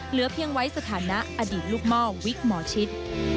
เหลือเพียงไว้สถานะอดีตลูกหม้อวิกหมอชิด